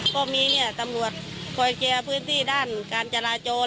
ก็มีเนี่ยตำรวจคอยเคลียร์พื้นที่ด้านการจราจร